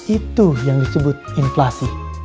itu yang disebut inflasi